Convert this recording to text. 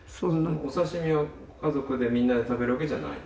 お刺身を家族でみんなで食べるわけじゃない？